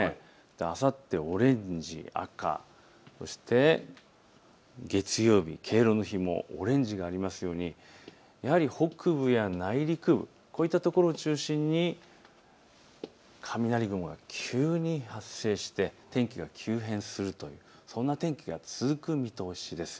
あさって、オレンジ、赤、そして月曜日、敬老の日もオレンジがありますようにやはり北部や内陸部こういったところを中心に雷雲が急に発生して天気が急変するという、そんな天気が続く見通しです。